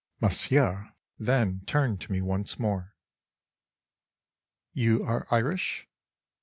Monsieur then turned to me once more: "You are Irish?"